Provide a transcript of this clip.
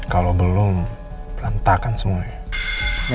kalau belum perlantakan semuanya